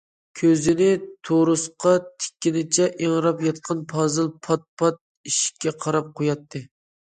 كۆزىنى تورۇسقا تىككىنىچە ئىڭراپ ياتقان پازىل پات- پات ئىشىككە قاراپ قوياتتى.